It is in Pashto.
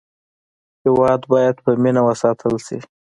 هېواد باید په مینه وساتل شي.